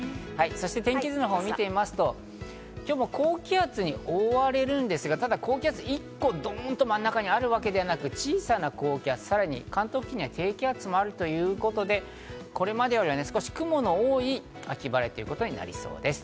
天気図を見てみますと今日も高気圧に覆われるんですが、高気圧が１個、どんと真ん中にあるわけではなくて小さな高気圧、さらに関東付近には低気圧もあるということで、これまでよりは雲の多い秋晴れということになりそうです。